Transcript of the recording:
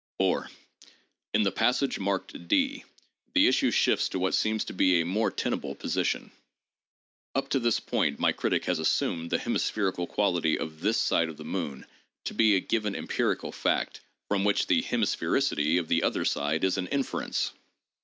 4. In the passage marked (d) the issue shifts to what seems to me a more tenable position. Up to this point, my critic has assumed the hemispherical quality of this side of the moon to be a given "empirical fact" from which the hemisphericity of the other side is an inference